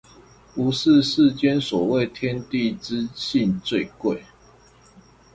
不是世間所謂天地之性最貴